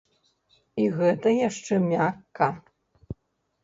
І гэта яшчэ мякка.